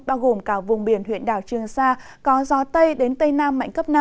bao gồm cả vùng biển huyện đảo trương sa có gió tây đến tây nam mạnh cấp năm